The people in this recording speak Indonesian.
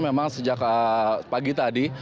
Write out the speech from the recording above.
memang sejak pagi tadi